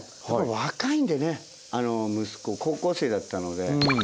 若いんでね息子高校生だったので。